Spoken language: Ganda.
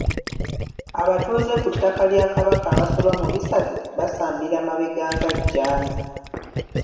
Abatuuze ku ttaka lya Kabaka abasoba mu bisatu basambira mabega nga jjanzi.